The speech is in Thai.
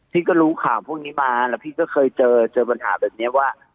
พี่ก็รู้ข่าวพวกนี้มาแล้วพี่ก็เคยเจอเจอปัญหาแบบนี้ว่า